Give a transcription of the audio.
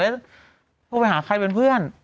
แล้วโทรไปหาใครเป็นเพื่อน